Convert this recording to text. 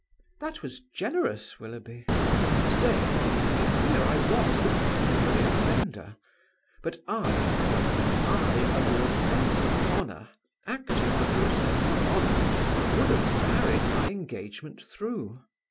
"That was generous, Willoughby." "Stay. I fear I was the primary offender. But I, Clara, I, under a sense of honour, acting under a sense of honour, would have carried my engagement through."